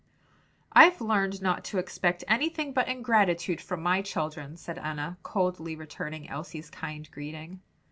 "I've learned not to expect anything but ingratitude from my children," said Enna, coldly returning Elsie's kind greeting.